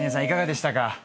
いかがでしたか。